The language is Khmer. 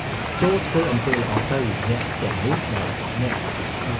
ចូលធ្វើអំពើល្អទៅអ្នកទាំងនោះដែលស្អប់អ្នក ។